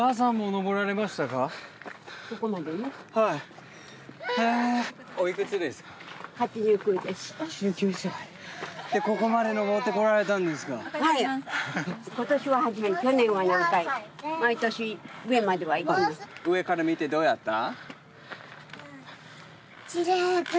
上から見てどうだった？